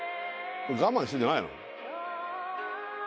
我慢してんじゃないの？